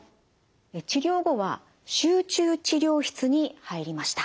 治療後は集中治療室に入りました。